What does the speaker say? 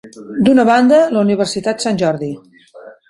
D'una banda, la Universitat Sant Jordi.